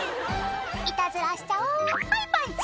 「いたずらしちゃおうはいパンチ！」